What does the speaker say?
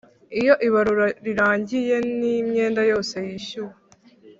Iyo ibarura rirangiye n imyenda yose yishyuwe